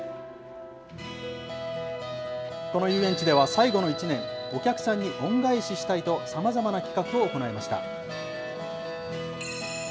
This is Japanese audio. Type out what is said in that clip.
この遊園地では最後の１年、お客さんに恩返ししたいと、さまざまな企画を行いました。